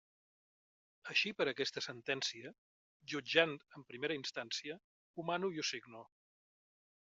Així per aquesta sentència, jutjant en primera instància, ho mano i ho signo.